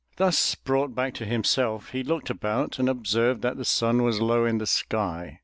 Thus brought back to himself, he looked about and observed that the sun was low in the sky.